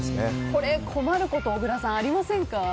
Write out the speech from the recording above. これ困ること小倉さんありませんか？